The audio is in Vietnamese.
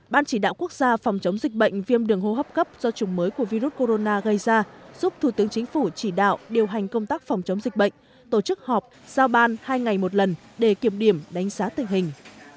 ban chỉ đạo quốc gia phòng chống dịch bệnh viêm đường hô hấp cấp do chủng mới của virus corona gây ra giúp thủ tướng chính phủ chỉ đạo điều hành công tác phòng chống dịch bệnh tổ chức họp giao ban hai ngày một lần để kiểm điểm đánh giá tình hình